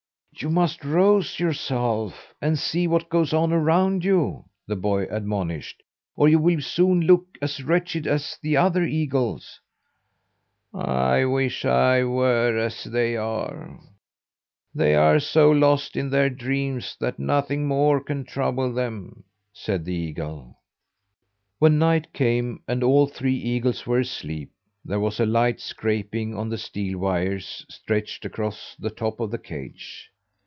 "You must rouse yourself, and see what goes on around you," the boy admonished, "or you will soon look as wretched as the other eagles." "I wish I were as they are! They are so lost in their dreams that nothing more can trouble them," said the eagle. When night came, and all three eagles were asleep, there was a light scraping on the steel wires stretched across the top of the cage.